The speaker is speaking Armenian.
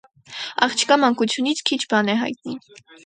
Աղջկա մանկությունից քիչ բան է հայտնի։